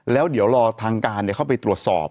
แล้วเดี๋ยวรอทางการเข้าไปตรวจสอบ